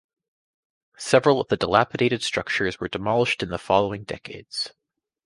Several of the dilapidated structures were demolished in the following decades.